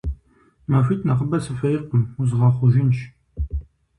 МахуитӀ нэхъыбэ сыхуейкъым, узгъэхъужынщ.